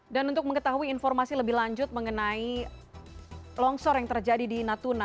dan untuk mengetahui informasi lebih lanjut mengenai longsor yang terjadi di natuna